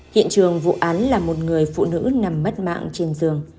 hiện trường vụ án là một người phụ nữ nằm mất mạng trên giường